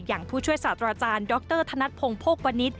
อย่างผู้ช่วยศาสตร์อาจารย์ดรธนัทพงภกวณิษฐ์